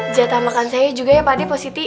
jatah makan saya juga ya pak d pak siti